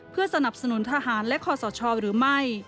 เพื่อสนับสนุนทหารและคอสชหรือไม่